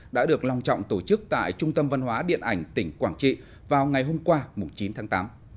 đã được long trọng tổ chức tại trung tâm văn hóa điện ảnh tỉnh quảng trị vào ngày hôm qua chín tháng tám